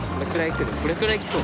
これくらい来る？